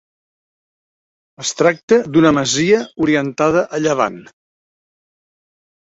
Es tracta d'una masia orientada a llevant.